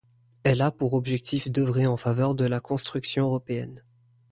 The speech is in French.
Elle a pour objectif d'œuvrer en faveur de la construction européenne.